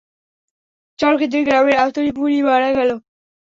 চড়কের দিন গ্রামের আতুরী বুড়ি মারা গেল।